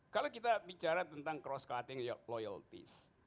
kalau kita bicara tentang cross cutting loyalties